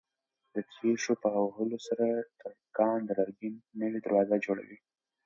د تېشو په وهلو سره ترکاڼ د لرګي نوې دروازه جوړوي.